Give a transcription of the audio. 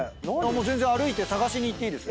全然歩いて探しに行っていい。